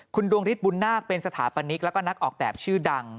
คุณดวงฤทธบุญนาคเป็นสถาปนิกแล้วก็นักออกแบบชื่อดัง